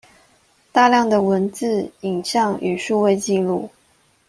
大量的文字、影像與數位紀錄